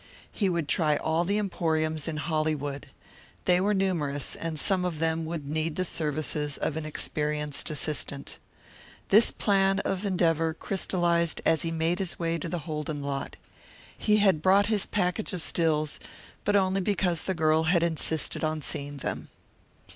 He would try all the emporiums in Hollywood. They were numerous and some one of them would need the services of an experienced assistant. This plan of endeavour crystallized as he made his way to the Holden lot. He had brought his package of stills, but only because the girl had insisted on seeing them.